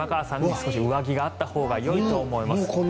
少し上着があったほうがいいと思います。